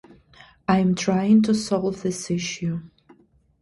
I am trying to solve this issue.